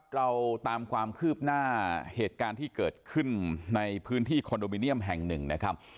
เราตามความคืบหน้าเหตุการณ์ที่เกิดขึ้นในพื้นที่คอนโดมิเนียมแห่งหนึ่งนะครับ